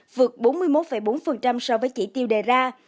vượt bốn mươi một bốn so với chỉ tiêu đề ra